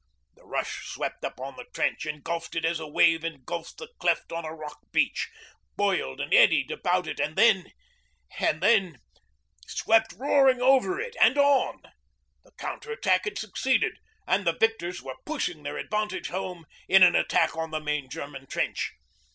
The rush swept up on the trench, engulfed it as a wave engulfs the cleft on a rock beach, boiled and eddied about it, and then ... and then ... swept roaring over it, and on. The counter attack had succeeded, and the victors were pushing their advantage home in an attack on the main German trench.